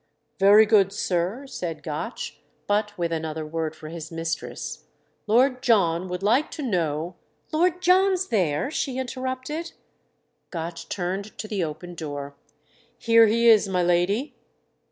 "Very good, sir," said Gotch—but with another word for his mistress. "Lord John would like to know—" "Lord John's there?" she interrupted. Gotch turned to the open door. "Here he is, my lady."